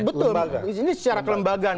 betul ini secara kelembagaan